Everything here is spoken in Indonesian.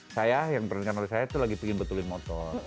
saya yang pernikahan oleh saya itu lagi pingin betulin motor